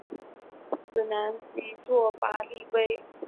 此男即拓跋力微。